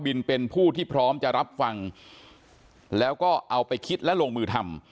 เป็นผู้ที่พร้อมจะรับฟังแล้วก็เอาไปคิดและลงมือทำ